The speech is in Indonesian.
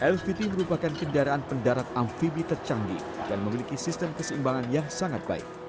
lvt merupakan kendaraan pendarat amfibi tercanggih dan memiliki sistem keseimbangan yang sangat baik